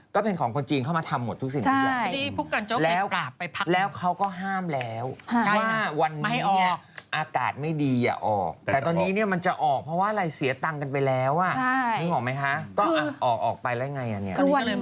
ก็เป็นของคนจีนเข้ามาทำหมดทุกสิ่งทุกอย่าง